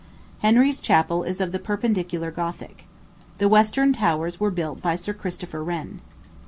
Henry's chapel is of the perpendicular Gothic. The western towers were built by Sir Christopher Wren.